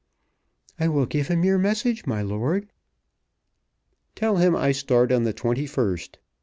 "I will give him your message, my lord." "Tell him I start on the 21st.